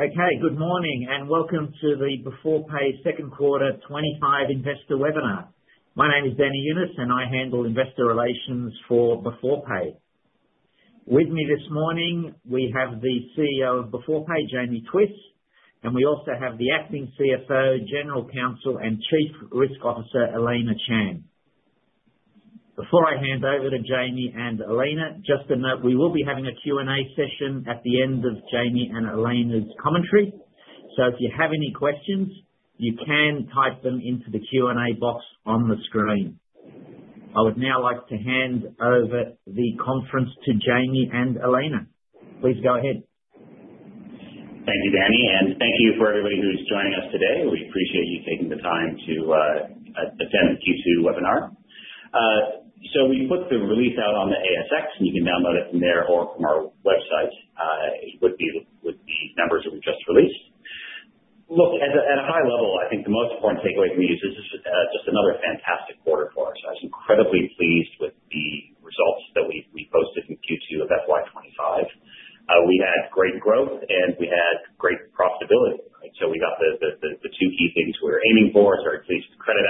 Okay, good morning and welcome to the Beforepay Q2 2025 Investor Webinar. My name is Danny Younis, and I handle investor relations for Beforepay. With me this morning, we have the CEO of Beforepay, Jamie Twiss, and we also have the acting CFO, general counsel, and chief risk officer, Elena Chan. Before I hand over to Jamie and Elena, just a note: we will be having a Q&A session at the end of Jamie and Elena's commentary, so if you have any questions, you can type them into the Q&A box on the screen. I would now like to hand over the conference to Jamie and Elena. Please go ahead. Thank you, Danny, and thank you for everybody who's joining us today. We appreciate you taking the time to attend the Q2 webinar. So we put the release out on the ASX, and you can download it from there or from our website. It would be the numbers that we just released. Look, at a high level, I think the most important takeaway for me is this is just another fantastic quarter for us. I was incredibly pleased with the results that we posted in Q2 of FY25. We had great growth, and we had great profitability. So we got the two key things we were aiming for: great credit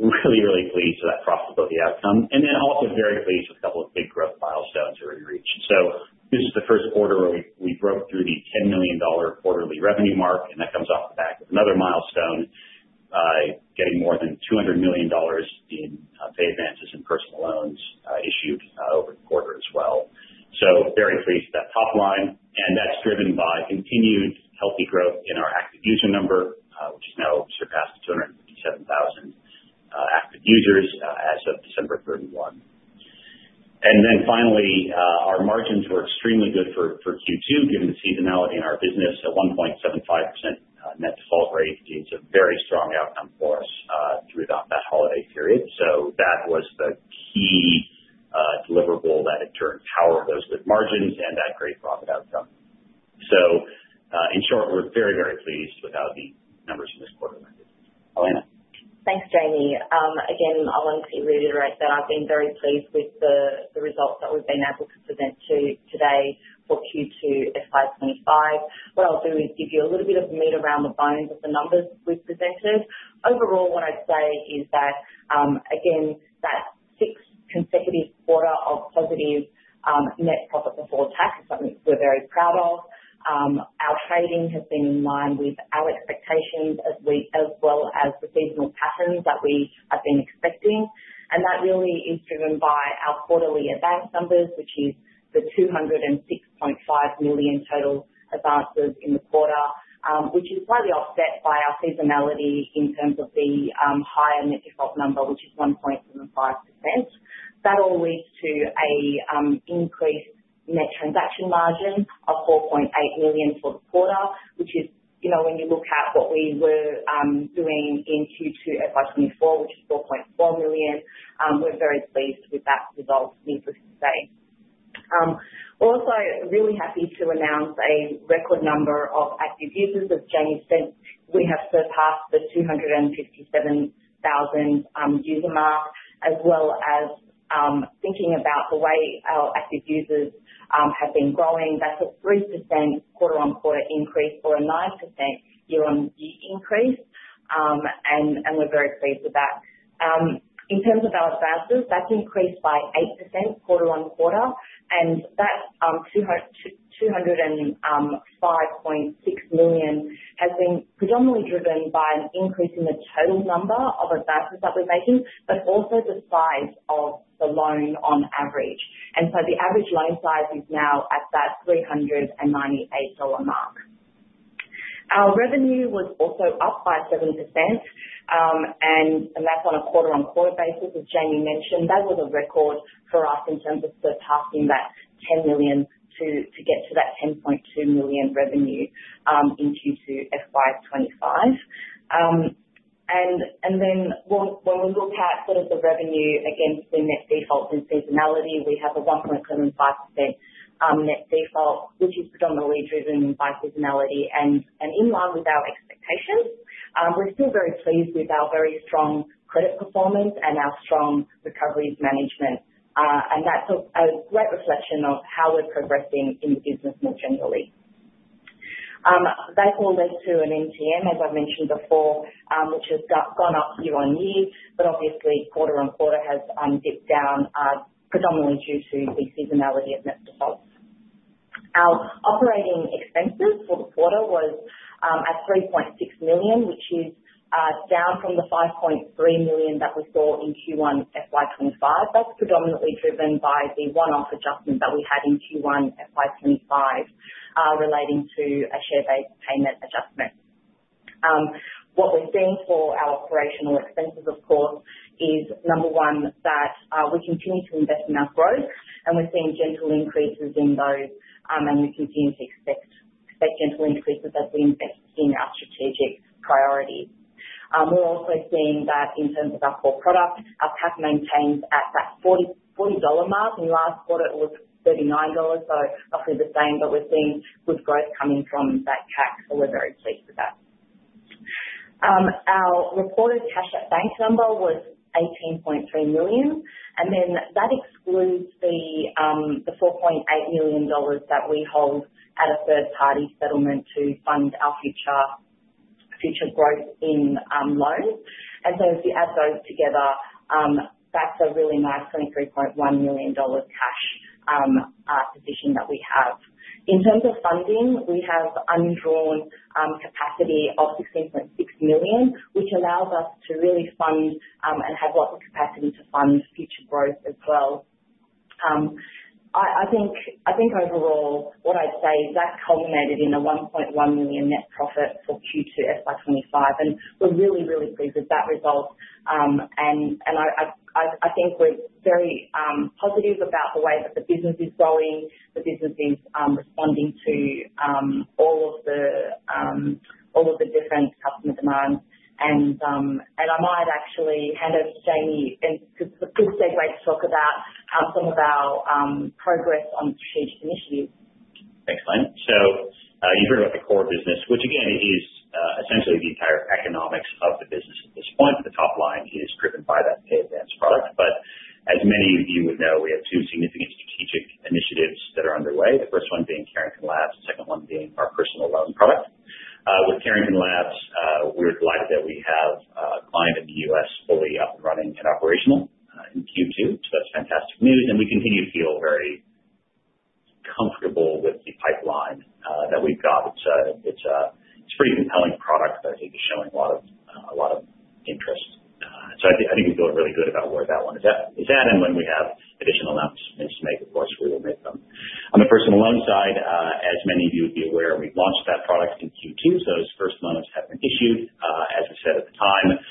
really, really pleased with that profitability outcome. And then also very pleased with a couple of big growth milestones that we've reached. So this is the Q1 where we broke through the $10 million quarterly revenue mark, and that comes off the back of another milestone, getting more than $200 million in pay advances and personal loans issued over the quarter as well. So very pleased with that top line, and that's driven by continued healthy growth in our active user number, which has now surpassed 257,000 active users as of December 31, 2023. And then finally, our margins were extremely good for Q2 given the seasonality in our business, a 1.75% net default rate. It's a very strong outcome for us throughout that holiday period. So that was the key deliverable that in turn powered those good margins and that great profit outcome. So in short, we're very, very pleased with how the numbers from this quarter went. Elena. Thanks, Jamie. Again, I'll only reiterate that I've been very pleased with the results that we've been able to present to you today for Q2 FY25. What I'll do is give you a little bit of a meat around the bones of the numbers we've presented. Overall, what I'd say is that, again, that sixth consecutive quarter of positive net profit before tax is something we're very proud of. Our trading has been in line with our expectations as well as the seasonal patterns that we have been expecting. That really is driven by our quarterly advance numbers, which is the 206.5 million total advances in the quarter, which is slightly offset by our seasonality in terms of the higher net default number, which is 1.75%. That all leads to an increased net transaction margin of $4.8 million for the quarter, which is, when you look at what we were doing in Q2 FY24, which is $4.4 million. We're very pleased with that result, needless to say. Also, really happy to announce a record number of active users. As Jamie said, we have surpassed the 257,000 user mark, as well as thinking about the way our active users have been growing. That's a 3% quarter-on-quarter increase or a 9% year-on-year increase, and we're very pleased with that. In terms of our advances, that's increased by 8% quarter-on-quarter, and that $205.6 million has been predominantly driven by an increase in the total number of advances that we're making, but also the size of the loan on average. And so the average loan size is now at that $398 mark. Our revenue was also up by 7%, and that's on a quarter-on-quarter basis, as Jamie mentioned. That was a record for us in terms of surpassing 10 million to get to 10.2 million in revenue in Q2 FY25. Then when we look at sort of the revenue against the net default and seasonality, we have a 1.75% net default, which is predominantly driven by seasonality and in line with our expectations. We're still very pleased with our very strong credit performance and our strong recovery management, and that's a great reflection of how we're progressing in the business more generally. That all led to an NTM, as I've mentioned before, which has gone up year-on-year, but obviously quarter-on-quarter has dipped down predominantly due to the seasonality of net default. Our operating expenses for the quarter was at 3.6 million, which is down from the 5.3 million that we saw in Q1 FY25. That's predominantly driven by the one-off adjustment that we had in Q1 FY25 relating to a share-based payment adjustment. What we're seeing for our operational expenses, of course, is number one, that we continue to invest in our growth, and we're seeing gentle increases in those, and we continue to expect gentle increases as we invest in our strategic priorities. We're also seeing that in terms of our core product, our cap maintains at that $40 mark. In last quarter, it was $39, so roughly the same, but we're seeing good growth coming from that cap, so we're very pleased with that. Our reported cash at bank number was 18.3 million, and then that excludes the 4.8 million dollars that we hold at a third-party settlement to fund our future growth in loans. And so if you add those together, that's a really nice AUD 23.1 million cash position that we have. In terms of funding, we have undrawn capacity of 16.6 million, which allows us to really fund and have lots of capacity to fund future growth as well. I think overall, what I'd say, that culminated in a 1.1 million net profit for Q2 FY25, and we're really, really pleased with that result. And I think we're very positive about the way that the business is going. The business is responding to all of the different customer demands, and I might actually hand over to Jamie for a quick segue to talk about some of our progress on strategic initiatives. Excellent, so you've heard about the core business, which again is essentially the entire economics of the business at this point. The top line is driven by that pay advance product, but as many of you would know, we have two significant strategic initiatives that are underway. The first one being Carrington Labs, the second one being our personal loan product. With Carrington Labs, we're delighted that we have a client in the U.S. fully up and running and operational in Q2, so that's fantastic news, and we continue to feel very comfortable with the pipeline that we've got. It's a pretty compelling product that I think is showing a lot of interest, so I think we feel really good about where that one is at, and when we have additional announcements to make, of course, we will make them. On the personal loan side, as many of you would be aware, we've launched that product in Q2, so those first loans have been issued. As we said at the time, we're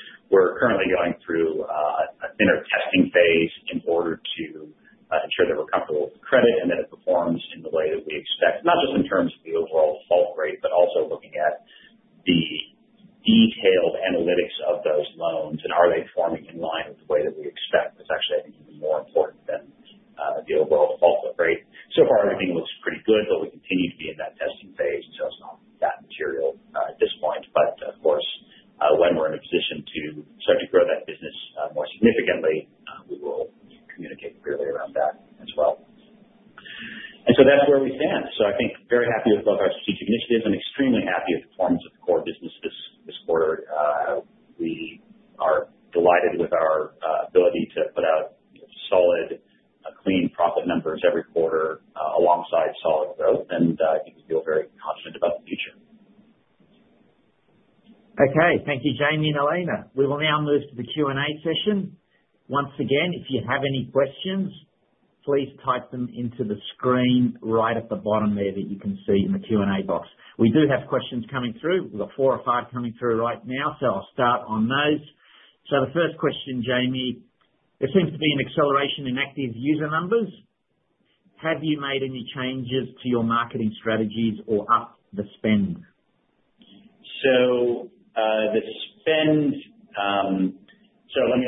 So let me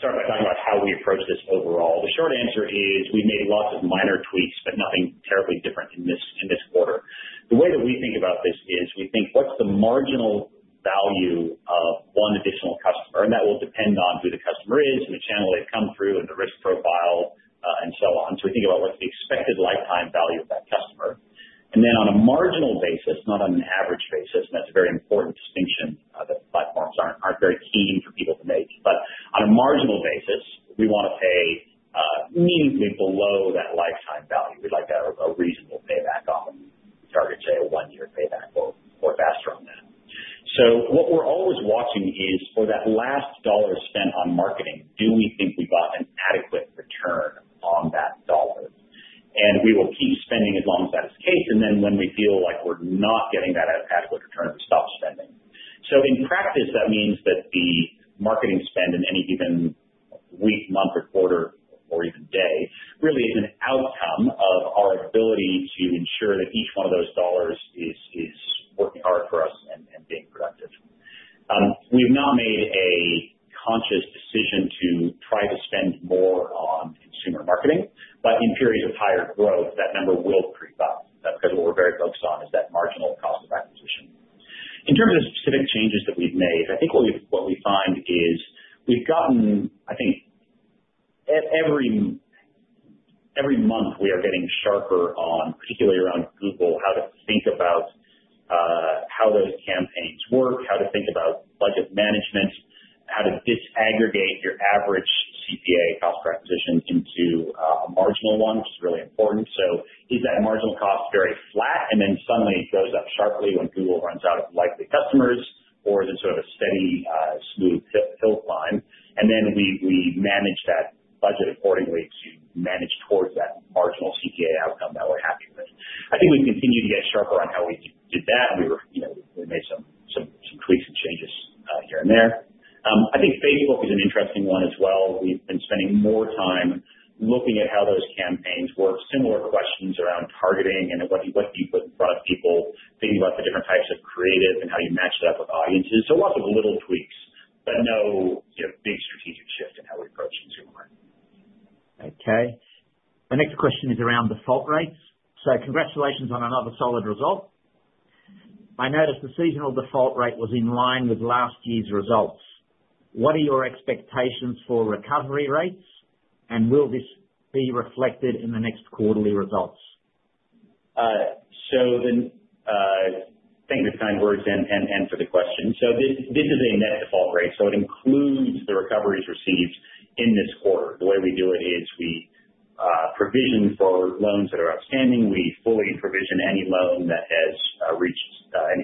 start by talking about how we approach this overall. The short answer is we've made lots of minor tweaks, but nothing terribly different in this quarter. The way that we think about this is we think, what's the marginal value of one additional customer? And that will depend on who the customer is and the channel they've come through and the risk profile and so on. So we think about what's the expected lifetime value of that customer. And then on a marginal basis, not on an average basis, and that's a very important distinction that platforms aren't very keen for people to make. But on a marginal basis, we want to pay meaningfully below that is it sort of a steady, smooth hill climb? And then we manage that budget accordingly to manage towards that marginal CPA outcome that we're happy with. I think we've continued to get sharper on how we did that, and we made some tweaks and changes here and there. I think Facebook is an interesting one as well. We've been spending more time looking at how those campaigns work, similar questions around targeting and what do you put in front of people, thinking about the different types of creative and how you match that with audiences. So lots of little tweaks, but no big strategic shift in how we approach consumer marketing. Okay. The next question is around default rates. So congratulations on another solid result. I noticed the seasonal default rate was in line with last year's results. What are your expectations for recovery rates, and will this be reflected in the next quarterly results? Thank you for the kind words and for the question. This is a net default rate, so it includes the recoveries received in this quarter. The way we do it is we provision for loans that are outstanding. We fully provision any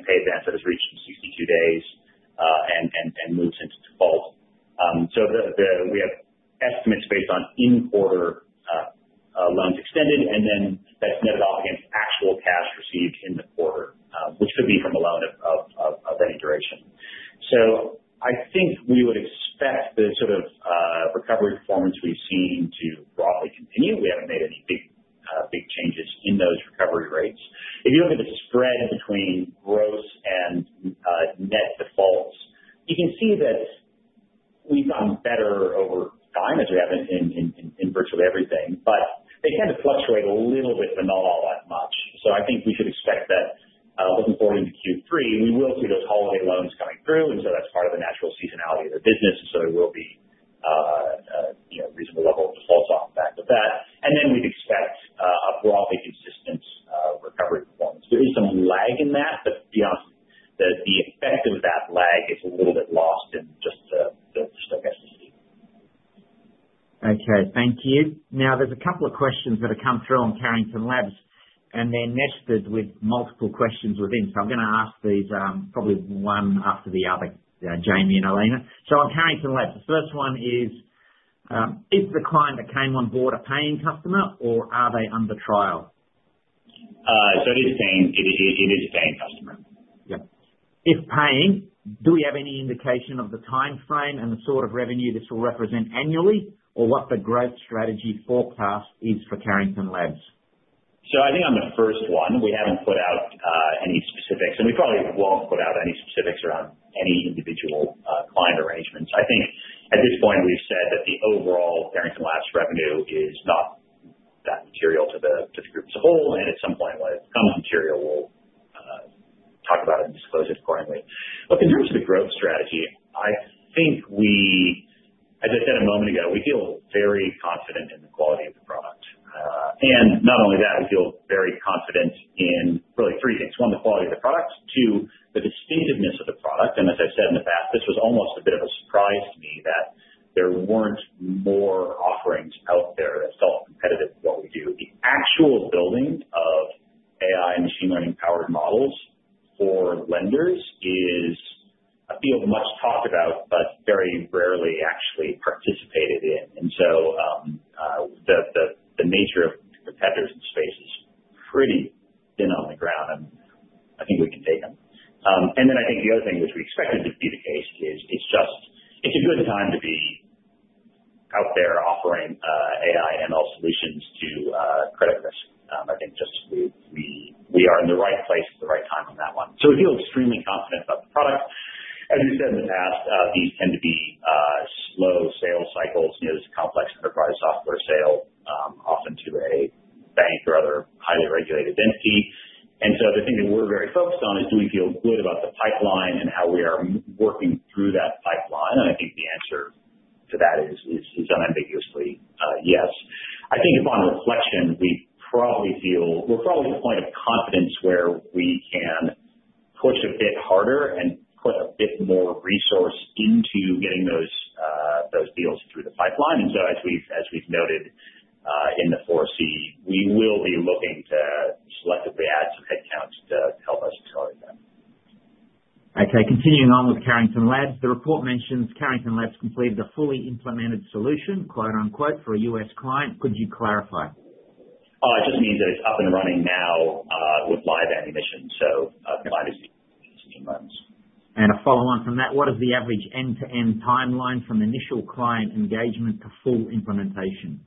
pay advance that has reached 62 days and moves into default. We have estimates based on in-quarter loans extended, and then that's netted off against actual cash received in the quarter, which could be from a loan of any duration. I think we would expect the sort of recovery performance we've seen to broadly continue. We haven't made any big changes in those recovery rates. If you look at the spread between gross or what the growth strategy forecast is for Carrington Labs? So I think on the first one, we haven't put out any specifics, and we probably won't put out any specifics around any individual client arrangements. I think at this point we've said that the overall Carrington Labs revenue is not that material to the group as a whole, and at some point when it becomes material, we'll talk about it and disclose it accordingly. But in terms of the growth strategy, I think we, as I said a moment ago, we feel very confident in the quality of the product. And not only that, we feel very confident in really three things. One, the quality of the product. Two, the distinctiveness of the product. And as I've said in the past, this was almost a bit of a surprise to me that there weren't more offerings out there that felt competitive with what we do. The actual building Okay, continuing on with Carrington Labs. The report mentions Carrington Labs completed a fully implemented solution for a U.S. client. Could you clarify? It just means that it's up and running now with live animation, so client is seeing it in a few moments. A follow-on from that, what is the average end-to-end timeline from initial client engagement to full implementation?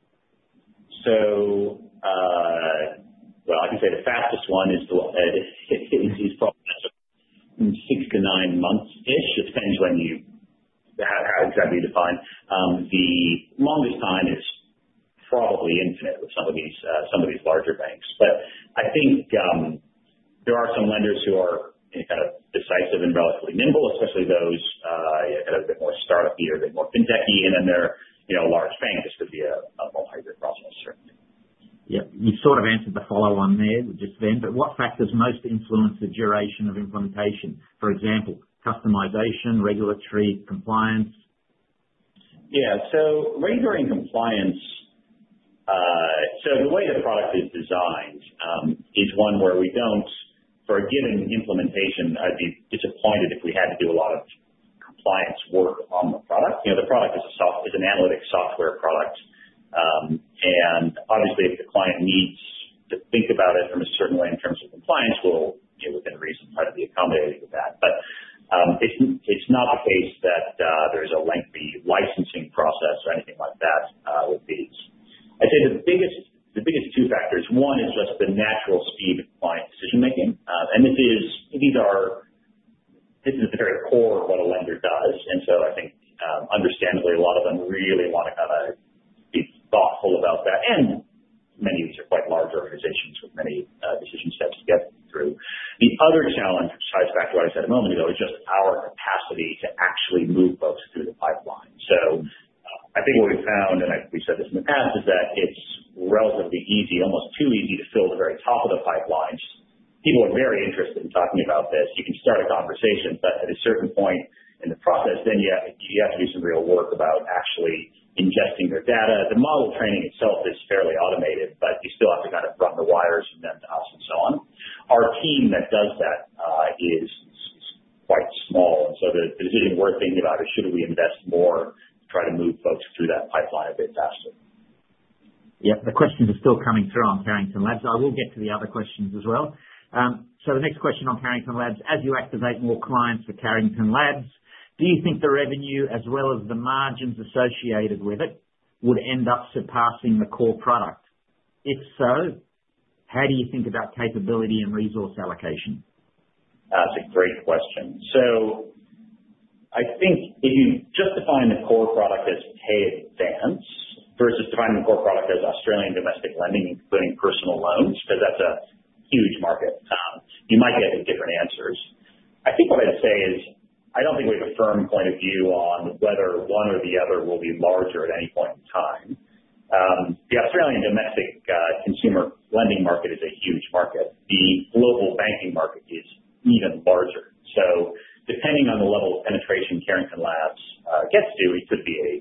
I can say the fastest one is probably six to nine months-ish, depending on how exactly you define. The longest time is probably infinite with some of these larger banks. But I think there are some lenders who are kind of decisive and relatively nimble, especially those that are a bit more startup year, a bit more fintechy, and then they're large banks. This could be a multi-year process, certainly. Yeah. You sort of answered the follow-on there just then, but what factors most influence the duration of implementation? For example, customization, regulatory compliance? Yeah, so regulatory compliance, so the way the product is designed is one where we don't, for a given implementation, be disappointed if we had to do a lot of compliance work on the product. The product is an analytic software product, and obviously if the client needs to think about it from a certain way in terms of compliance, we'll, within a reasonable time, be accommodated with that. But it's not the case that there's a lengthy licensing process or anything like that with these. I'd say the biggest two factors, one is just the natural speed of client decision-making, and these are at the very core of what a lender does, and so I think understandably a lot of them really want to kind of be thoughtful about that, and many of these are quite large organizations with many decision steps to get through. The other challenge, which ties back to what I said a moment ago, is just our capacity to actually move folks through the pipeline. So I think what we've found, and we've said this in the past, is that it's relatively easy, almost too easy, to fill the very top of the pipelines. People are very interested in talking about this. You can start a conversation, but at a certain point in the process, then you have to do some real work about actually ingesting their data. The model training itself is fairly automated, but you still have to kind of run the wires from them to us and so on. Our team that does that is quite small, and so the decision we're thinking about is, should we invest more to try to move folks through that pipeline a bit faster? Yeah. The questions are still coming through on Carrington Labs. I will get to the other questions as well. So the next question on Carrington Labs, as you activate more clients for Carrington Labs, do you think the revenue, as well as the margins associated with it, would end up surpassing the core product? If so, how do you think about capability and resource allocation? That's a great question. So I think if you just define the core product as pay advance versus defining the core product as Australian domestic lending, including personal loans, because that's a huge market, you might get different answers. I think what I'd say is I don't think we have a firm point of view on whether one or the other will be larger at any point in time. The Australian domestic consumer lending market is a huge market. The global banking market is even larger. So depending on the level of penetration Carrington Labs gets to, it could be a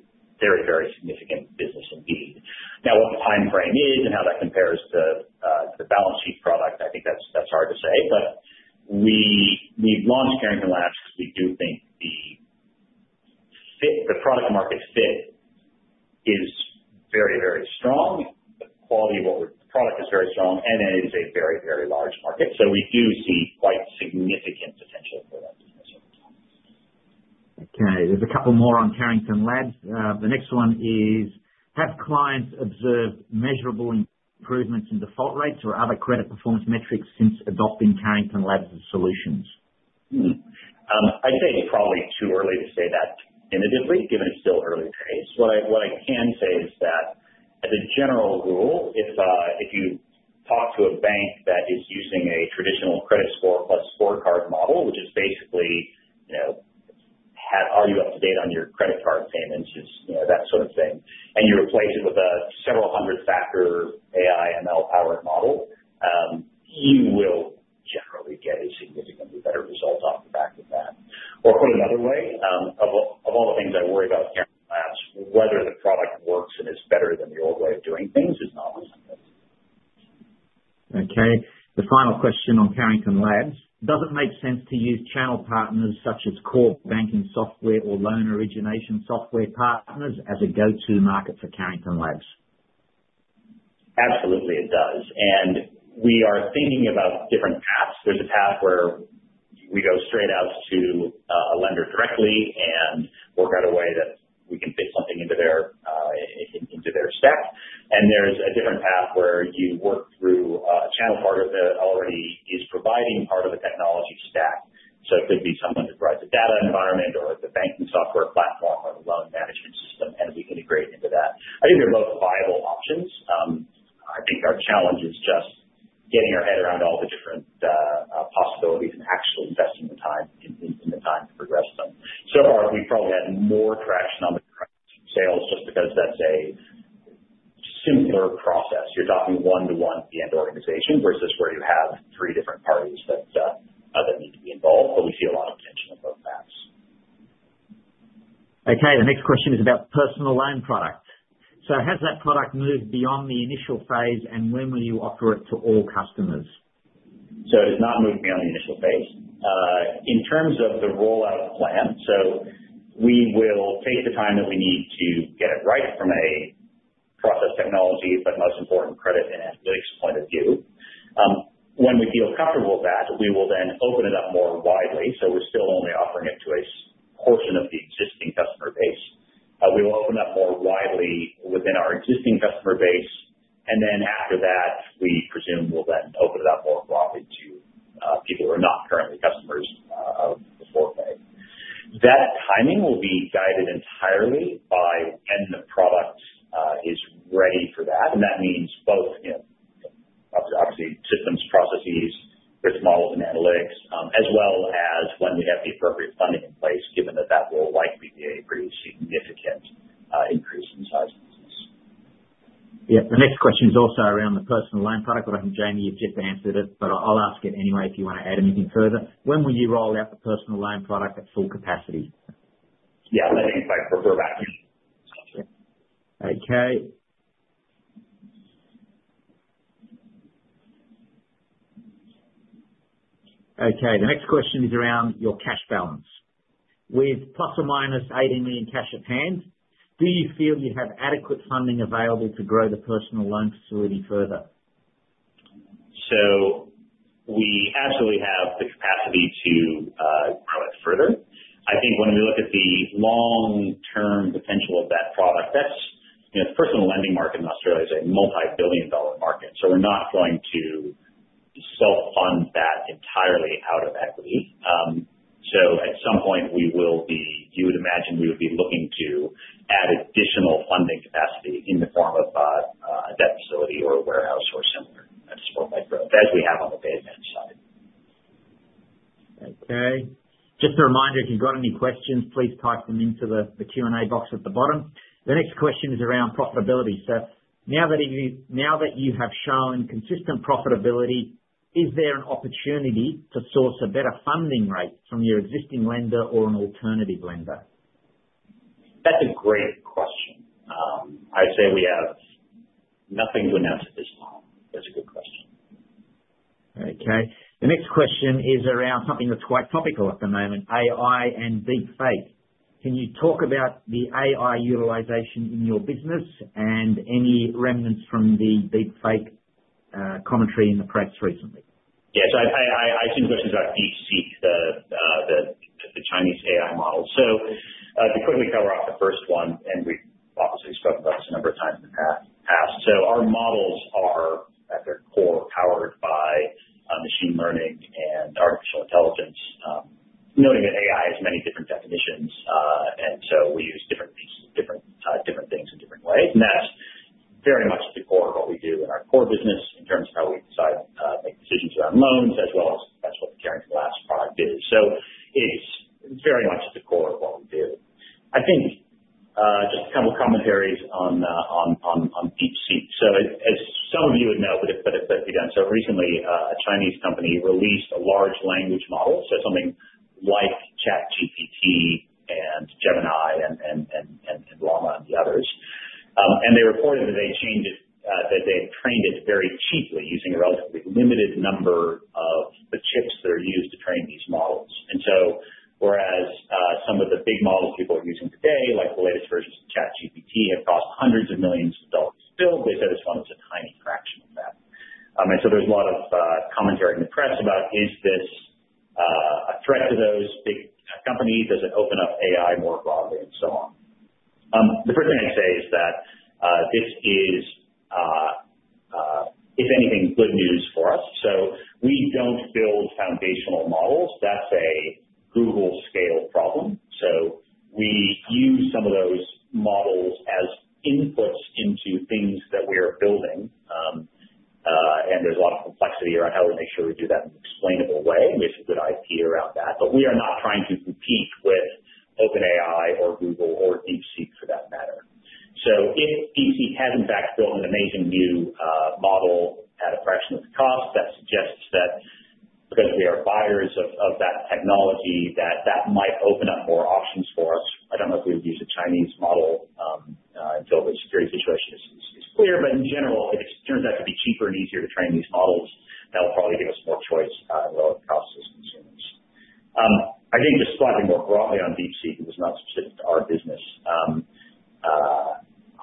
very, very significant business indeed. Now, what the timeframe is and how that compares to the balance sheet product, I think that's hard to say. But we've launched Carrington Labs because we do think the product market fit is very, very strong. The quality of the product is very strong, and it is a very, very large market, so we do see quite significant potential for that business over time. Okay. There's a couple more on Carrington Labs. The next one is, have clients observed measurable improvements in default rates or other credit performance metrics since adopting Carrington Labs' solutions? I'd say it's probably too early to say that tentatively, given it's still early phase. What I can say is that, as a general rule, if you talk to a bank that is using a traditional credit score plus scorecard model, which is basically, are you up to date on your credit card payments, that sort of thing, and you replace it with a several hundred-factor AI/ML-powered model, you will generally get a significantly better result off the back of that. Or put another way, of all the things I worry about with Carrington Labs, whether the product works and is better than the old way of doing things is not my topic. Okay. The final question on Carrington Labs. Does it make sense to use channel partners such as core banking software or loan origination software partners as a go-to market for Carrington Labs? Absolutely, it does. We are thinking about different paths. There's a path where we go straight out to a lender directly and work out a way that we can fit something into their stack. There's a different path where you work through a channel partner that already is providing part of the technology stack. So it could be someone that provides the data environment or the banking software platform or the loan management system, and we integrate into that. I think they're both viable options. I think our challenge is just getting our head around all the different possibilities and actually investing the time to progress them. So far, we've probably had more traction on the credit sales just because that's a simpler process. You're talking one-to-one at the end organization versus where you have three different parties that need to be involved, but we see a lot of potential in both paths. Okay. The next question is about personal loan products. So has that product moved beyond the initial phase, and when will you offer it to all customers? It has not moved beyond the initial phase. In terms of the rollout plan, so we will take the time that we need to get it right from a process technology but most important credit and analytics point of view. When we feel comfortable with that, we will then open it up more widely. We're still only offering it to a portion of the existing customer base. We will open it up more widely within our existing customer base, and then after that, we presume we'll then open it up more broadly to people who are not currently customers of Beforepay. That timing will be guided entirely by when the product is ready for that. That means both, obviously, systems, processes, risk models, and analytics, as well as when we have the appropriate funding in place, given that that will likely be a pretty significant increase in size of the business. Yeah. The next question is also around the personal loan product, but I think, Jamie, you've just answered it, but I'll ask it anyway if you want to add anything further. When will you roll out the personal loan product at full capacity? Yeah. I think if I prefer vacuum. The next question is around your cash balance. With plus or minus 80 million cash at hand, do you feel you have adequate funding available to grow the personal loan facility further? So we absolutely have the capacity to grow it further. I think when we look at the long-term potential of that product, the personal lending market in Australia is a multi-billion dollar market, so we're not going to self-fund that entirely out of equity. So at some point, we will be, you would imagine we would be looking to add additional funding capacity in the form of a debt facility or a warehouse or a similar at a spurt-like growth, as we have on the pay advance side. Okay. Just a reminder, if you've got any questions, please type them into the Q&A box at the bottom. The next question is around profitability. So now that you have shown consistent profitability, is there an opportunity to source a better funding rate from your existing lender or an alternative lender? That's a great question. I'd say we have nothing to announce at this time. That's a good question. Okay. The next question is around something that's quite topical at the moment, AI and deepfake. Can you talk about the AI utilization in your business and any remnants from the deepfake commentary in the press recently? Yeah. I've seen questions about DeepSeek, the Chinese AI model. To quickly cover off the first one, we've obviously spoken about this a number of times in the past, so our models are, at their core, powered by machine learning and artificial intelligence, noting that AI has many different definitions, and so we use different things in different ways. That's very much at the core of what we do in our core business in terms of how we make decisions around loans, as well as what the Carrington Labs product is. It's very much at the core of what we do. I think just a couple of commentaries on DeepSeek. As some of you would know, but it's better said than done, recently a Chinese company released a large language model, something like ChatGPT and Gemini and Llama and the others. And they reported that they had trained it very cheaply using a relatively limited number of the chips that are used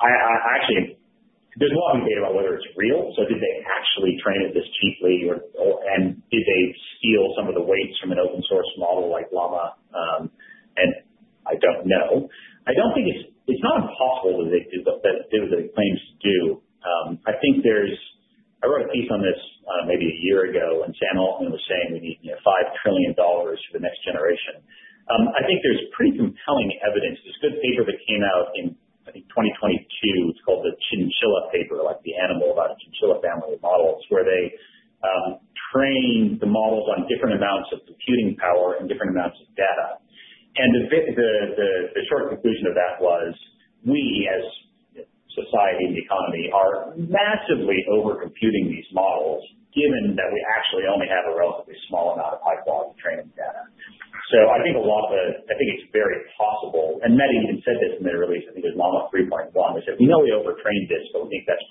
Actually, there's a lot of good data about whether it's real. So did they actually train it this cheaply, and did they steal some of the weights from an open-source model like Llama? And I don't know. I don't think it's not impossible that they do what they claim to do. I think there's. I wrote a piece on this maybe a year ago, and Sam Altman was saying we need $5 trillion for the next generation. I think there's pretty compelling evidence. There's a good paper that came out in, I think, 2022. It's called the Chinchilla Paper, like the animal about a Chinchilla family of models, where they trained the models on different amounts of computing power and different amounts of data. And the short conclusion of that was, we as society and the economy are massively over computing these models, given that we actually only have a relatively small amount of high-quality training data. I think it's very possible. Meta even said this in their release. I think it was Llama 3.1. They said, "We know we overtrained this, but we think that's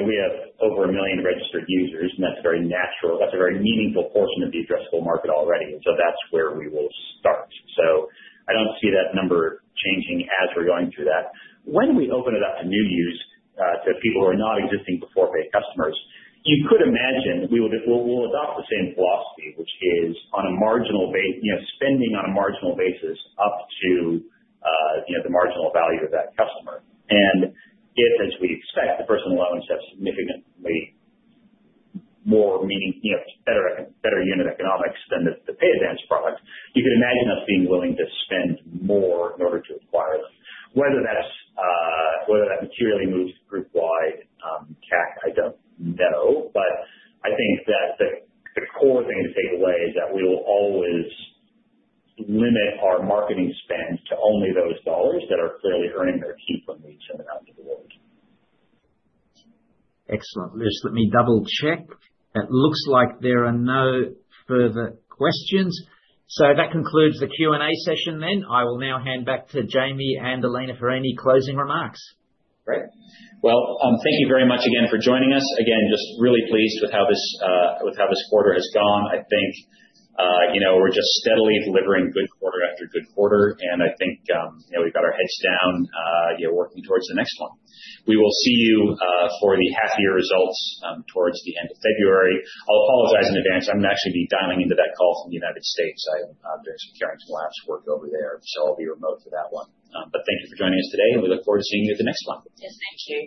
we have over a million registered users, and that's a very meaningful portion of the addressable market already. That's where we will start. I don't see that number changing as we're going through that. When we open it up to new users, to people who are not existing Beforepay customers, you could imagine we will adopt the same philosophy, which is on a marginal spending on a marginal basis up to the marginal value of that customer. And if, as we expect, the personal loans have significantly more margin, better unit economics than the pay advance product, you could imagine us being willing to spend more in order to acquire them. Whether that materially moves group-wide CAC, I don't know. But I think that the core thing to take away is that we will always limit our marketing spend to only those dollars that are clearly earning their keep when we send it out into the world. Excellent. Liz, let me double-check. It looks like there are no further questions. So that concludes the Q&A session then. I will now hand back to Jamie and Elena for any closing remarks. Great. Well, thank you very much again for joining us. Again, just really pleased with how this quarter has gone. I think we're just steadily delivering good quarter after good quarter, and I think we've got our heads down working towards the next one. We will see you for the half-year results towards the end of February. I'll apologize in advance. I'm going to actually be dialing into that call from the United States. I'm doing some Carrington Labs work over there, so I'll be remote for that one. But thank you for joining us today, and we look forward to seeing you at the next one. Yes. Thank you.